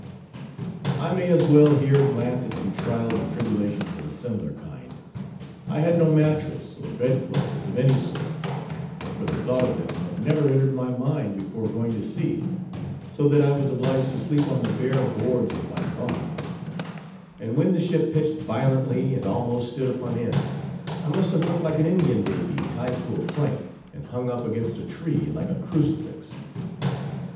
I may as well here glance at some trials and tribulations of a similar kind. I had no mattress, or bed clothes, of any sort; for the thought of them had never entered my mind before going to sea; so that I was obliged to sleep on the bare boards of my bunk; and when the ship pitched violently, and almost stood upon end, I must have looked like an Indian baby tied to a plank, and hung up against a tree like a crucifix.